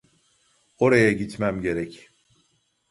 Oraya gitmem gerek.